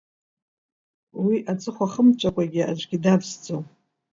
Уи аҵыхәа хымҵәакәагьы аӡәгьы давсӡом.